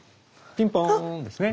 ピンポーンですね。